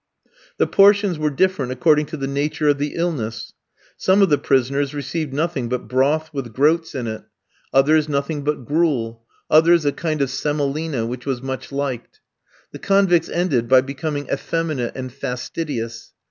The portions were different according to the nature of the illness: some of the prisoners received nothing but broth with groats in it; others nothing but gruel; others a kind of semolina, which was much liked. The convicts ended by becoming effeminate and fastidious.